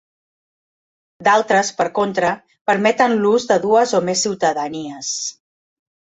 D'altres, per contra, permeten l'ús de dues o més ciutadanies.